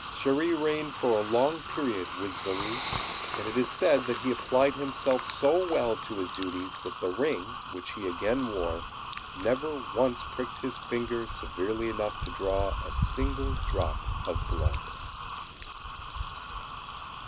Chéri reigned for a long period with Zélie; and it is said that he applied himself so well to his duties, that the ring, which he again wore, never once pricked his finger severely enough to draw a single drop of blood.